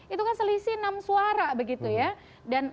itu kan selisih enam suara begitu ya